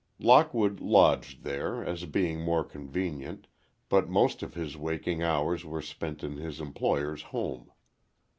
Lockwood lodged there, as being more convenient, but most of his waking hours were spent in his employer's home.